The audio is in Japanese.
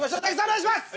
お願いします。